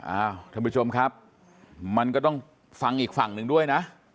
อ่าวทั้งประชุมครับมันก็ต้องฟังอีกฝั่งด้วยนะ